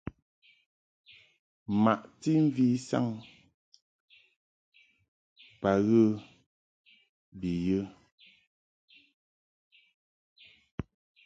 Maʼti mvi saŋ ba ghə bi yə.